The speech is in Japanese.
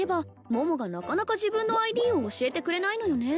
桃がなかなか自分の ＩＤ を教えてくれないのよね